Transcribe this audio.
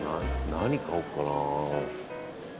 何買おうかな。